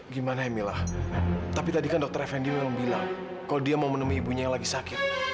gimana ya mila tapi tadi kan dokter fnd belum bilang kalau dia mau menemui ibunya yang lagi sakit